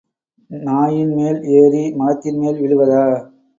நாயின் மேல் ஏறி மலத்தின்மேல் விழுவதா?